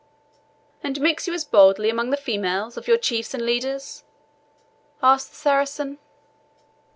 "And mix you as boldly amongst the females of your chiefs and leaders?" asked the Saracen.